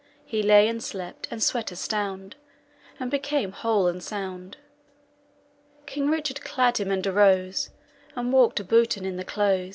He lay and slept, and swet a stound, And became whole and sound. King Richard clad him and arose, And walked abouten in the close."